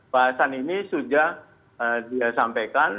bahasan ini sudah disampaikan